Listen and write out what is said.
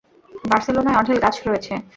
বার্সেলোনায় অঢেল গাছ রয়েছে।